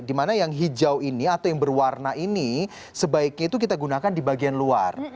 dimana yang hijau ini atau yang berwarna ini sebaiknya itu kita gunakan di bagian luar